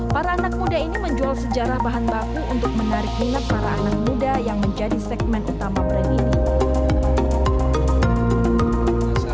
para anak muda ini menjual sejarah bahan baku untuk menarik minat para anak muda yang menjadi segmen utama brand ini